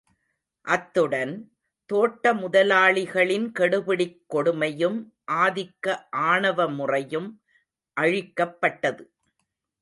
அத்துடன், தோட்ட முதலாளிகளின் கெடுபிடிக் கொடுமையும் ஆதிக்க ஆணவமுறையும் அழிக்கப்பட்டது.